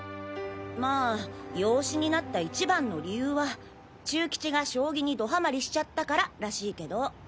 まあ養子になった一番の理由はチュウキチが将棋にドハマリしちゃったかららしいけど。